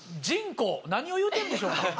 「人口」何を言うてるんでしょうか？